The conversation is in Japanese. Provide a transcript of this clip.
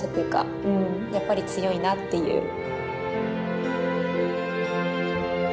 うんやっぱり強いなっていう。